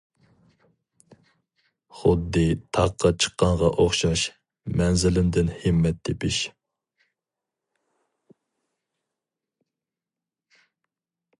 خۇددى تاغقا چىققانغا ئوخشاش، مەنزىلىمدىن ھىممەت تېپىش!